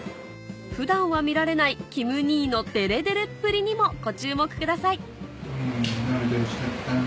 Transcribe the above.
普段は見られないキム兄のデレデレっぷりにもご注目ください